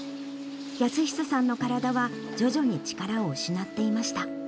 泰久さんの体は、徐々に力を失っていました。